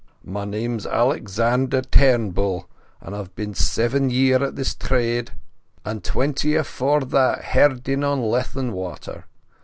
My name's Alexander Trummle, and I've been seeven year at the trade, and twenty afore that herdin' on Leithen Water.